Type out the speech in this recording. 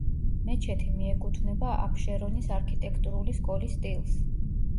მეჩეთი მიეკუთვნება აფშერონის არქიტექტურული სკოლის სტილს.